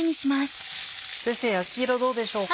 先生焼き色どうでしょうか？